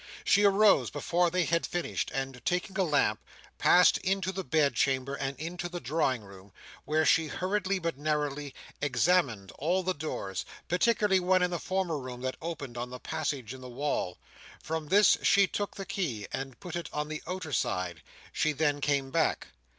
She arose before they had finished, and taking a lamp, passed into the bed chamber and into the drawing room, where she hurriedly but narrowly examined all the doors; particularly one in the former room that opened on the passage in the wall. From this she took the key, and put it on the outer side. She then came back.